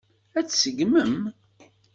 Ad t-tseggmem?